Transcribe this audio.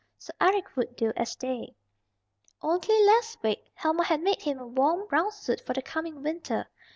So Eric would do as they. Only last week Helma had made him a warm brown suit for the coming winter.